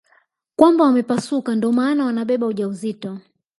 Kwamba wamepasuka ndo maana wanabeba ujauzito